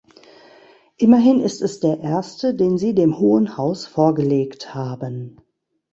Immerhin ist es der erste, den Sie dem Hohen Haus vorgelegt haben.